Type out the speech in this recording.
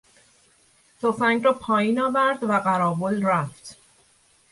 تفنگ را پایین آورد و قراول رفت.